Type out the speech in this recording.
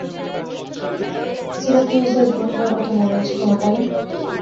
সিরাকিউজের ঘটনার কথা মনে আছে তোমার, তাই না?